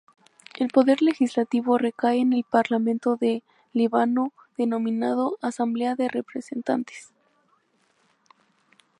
El poder legislativo recae en el Parlamento del Líbano, denominado Asamblea de Representantes.